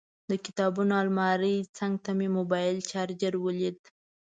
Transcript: د کتابونو المارۍ څنګ ته مې موبایل چارجر ولید.